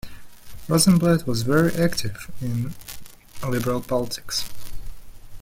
Rosenblatt was very active in liberal politics.